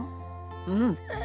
うん。